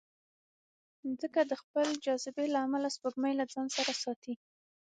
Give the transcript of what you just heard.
مځکه د خپل جاذبې له امله سپوږمۍ له ځانه سره ساتي.